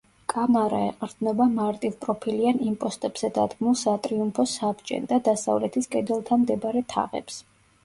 კამარა ეყრდნობა მარტივპროფილიან იმპოსტებზე დადგმულ სატრიუმფო საბჯენ და დასავლეთის კედელთან მდებარე თაღებს.